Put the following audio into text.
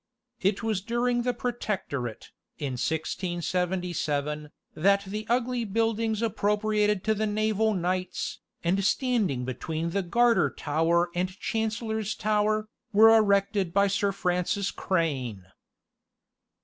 It was during the Protectorate, in 1677, that the ugly buildings appropriated to the naval knights, and standing between the Garter Tower and Chancellor's Tower, were erected by Sir Francis Crane.